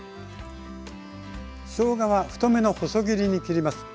しょうがは太めの細切りに切ります。